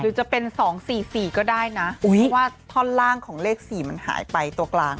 หรือจะเป็น๒๔๔ก็ได้นะเพราะว่าท่อนล่างของเลข๔มันหายไปตัวกลาง